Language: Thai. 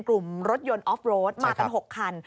กลุ่มรถยนต์ออฟโรดมากัน๖คัน